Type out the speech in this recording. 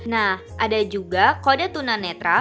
nah ada juga kode tunanetra